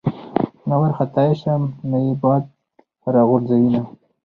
نه ورختی شم نه ئې باد را غورځوېنه